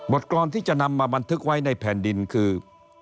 กรอนที่จะนำมาบันทึกไว้ในแผ่นดินคือ